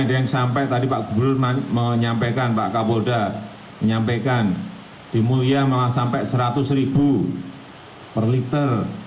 saya yang sampai tadi pak gubernur menyampaikan pak kabulda menyampaikan di mulia malah sampai rp seratus per liter